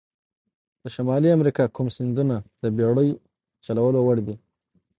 د شمالي امریکا کوم سیندونه د بېړۍ چلولو وړ دي؟